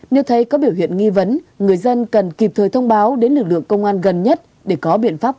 nếu thấy có biểu hiện nghi vấn người dân cần kịp thời thông báo đến lực lượng công an gần nhất để có biện pháp